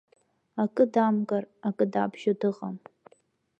Акы дамгар, акы дабжьо дыҟам.